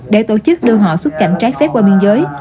để tổ chức đưa họ xuất cảnh trái phép qua biên giới